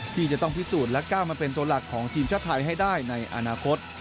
ที่จะต้องพิสูจน์และก้าวมาเป็นตัวหลักของทีมชาติไทยให้ได้ในอนาคต